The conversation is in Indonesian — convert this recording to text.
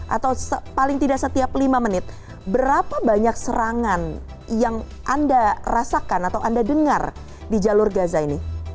atau paling tidak setiap lima menit berapa banyak serangan yang anda rasakan atau anda dengar di jalur gaza ini